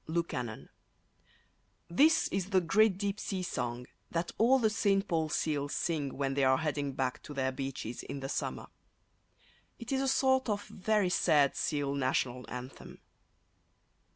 Lukannon This is the great deep sea song that all the St. Paul seals sing when they are heading back to their beaches in the summer. It is a sort of very sad seal National Anthem.